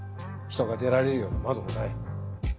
人が出られるような窓もない。